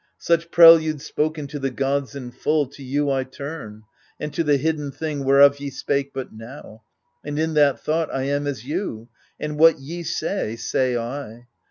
Such prelude spoken to the gods in full, To you I turn, and to the hidden thing Whereof ye spake but now : and in that thought I am as you, and what ye say, say I.